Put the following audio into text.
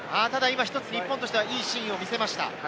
日本としてはいいシーンを見せました。